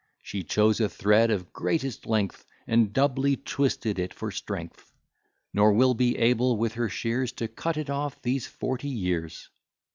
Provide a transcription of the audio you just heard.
She chose a thread of greatest length, And doubly twisted it for strength: Nor will be able with her shears To cut it off these forty years.